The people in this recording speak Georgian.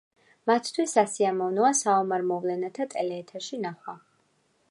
მათთვის სასიამოვნოა საომარ მოვლენათა ტელეეთერში ნახვა.